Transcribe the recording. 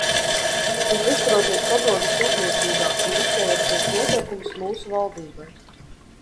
Viņš uzturoties Padomju sūtniecībā un diktējot savus noteikumus mūsu valdībai.